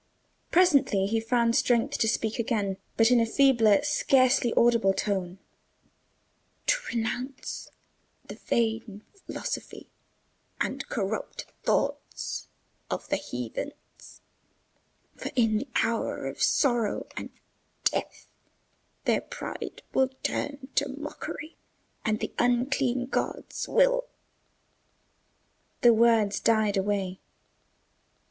Presently he found strength to speak again, but in a feebler, scarcely audible tone. "To renounce the vain philosophy and corrupt thoughts of the heathens: for in the hour of sorrow and death their pride will turn to mockery, and the unclean gods will—" The words died away.